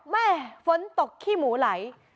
แม่ฝนตกขี้หมูไหล